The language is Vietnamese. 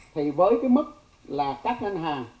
thì với cái mức là các ngân hàng